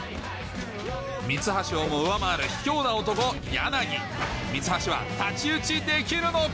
三橋をも上回る卑怯な男柳三橋は太刀打ちできるのか？